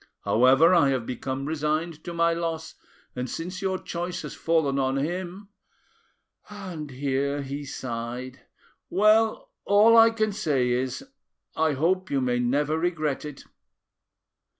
However, I have become resigned to my loss, and since your choice has fallen on him,"—and here he sighed,—"well, all I can say is, I hope you may never regret it."